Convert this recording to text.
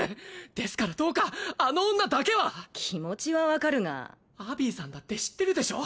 ですからどうかあの女だけは気持ちは分かるがアビーさんだって知ってるでしょう？